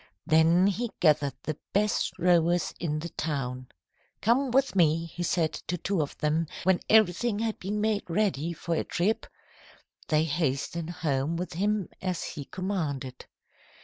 Then he gathered the best rowers in the town. "'Come with me,' he said to two of them, when everything had been made ready for a trip. They hastened home with him, as he commanded.